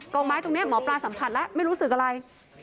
องไม้ตรงนี้หมอปลาสัมผัสแล้วไม่รู้สึกอะไร